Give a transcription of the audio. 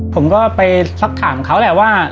ผมก็ไปสักถามเขาแหละว่า